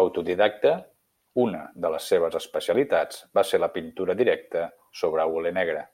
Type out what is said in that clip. Autodidacta, una de les seves especialitats va ser la pintura directa sobre hule negre.